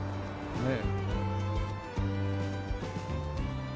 ねえ。